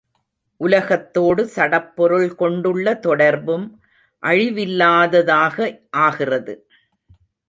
உலகத்தோடு சடப்பொருள் கொண்டுள்ள தொடர்பும் அழிவில்லாததாக ஆகின்றது.